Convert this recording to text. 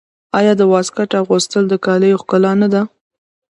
آیا د واسکټ اغوستل د کالیو ښکلا نه ده؟